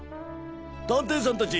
探偵さんたち